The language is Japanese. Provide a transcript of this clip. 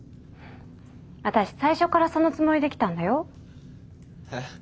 私最初からそのつもりで来たんだよ。え？